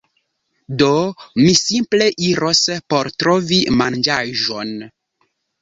Do, mi simple iros por trovi manĝaĵon